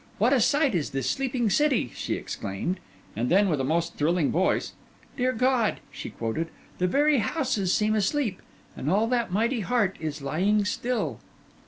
What a sight is this sleeping city!' she exclaimed; and then, with a most thrilling voice, '"Dear God," she quoted, "the very houses seem asleep, and all that mighty heart is lying still."